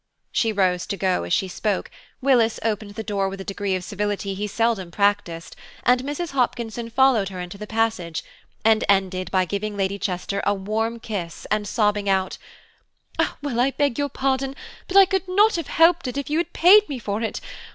She rose to go as she spoke, Willis opened the door with a degree of civility he seldom practiced, and Mrs. Hopkinson followed her into the passage, and ended by giving Lady Chester a warm kiss and sobbing out, "Well, I beg your pardon, but I could not have helped it if you had paid me for it.